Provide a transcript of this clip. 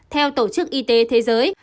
theo tổ chức y tế thế giới